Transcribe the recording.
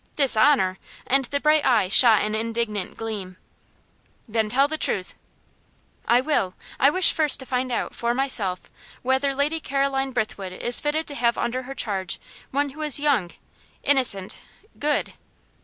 "Dishonour!" And the bright eye shot an indignant gleam. "Then, tell the truth." "I will. I wish first to find out, for myself, whether Lady Caroline Brithwood is fitted to have under her charge one who is young innocent good."